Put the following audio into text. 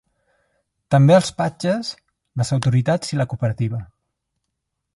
També els patges, les autoritats i la cooperativa.